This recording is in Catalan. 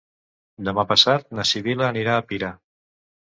Demà passat na Sibil·la anirà a Pira.